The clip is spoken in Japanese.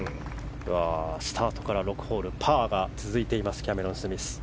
スタートから６ホールパーが続いているキャメロン・スミス。